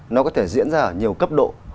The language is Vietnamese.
nó có thể diễn ra ở nhiều cấp độ